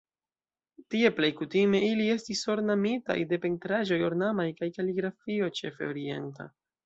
Tie plej kutime ili estis ornamitaj de pentraĵoj ornamaj kaj kaligrafio, ĉefe orienta.